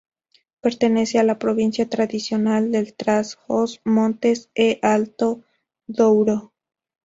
Pertenece a la provincia tradicional de Trás-os-Montes e Alto Douro.